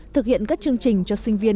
thực hiện các chương trình cho sinh viên